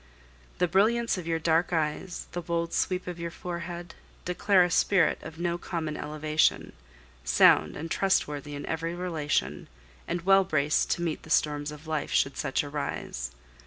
The brilliance of your dark eyes, the bold sweep of your forehead, declare a spirit of no common elevation, sound and trustworthy in every relation, and well braced to meet the storms of life, should such arise.